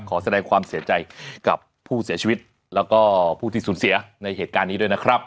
ขอแสดงความเสียใจกับผู้เสียชีวิตแล้วก็ผู้ที่สูญเสียในเหตุการณ์นี้ด้วยนะครับ